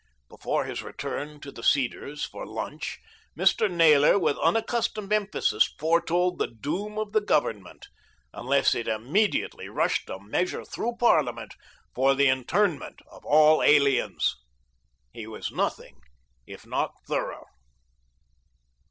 Before his return to "The Cedars" for lunch, Mr. Naylor with unaccustomed emphasis foretold the doom of the Government unless it immediately rushed a measure through Parliament for the internment of all aliens. He was nothing if not thorough.